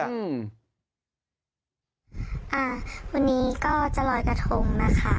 อ่าวันนี้ก็จะลอยกระทงนะคะ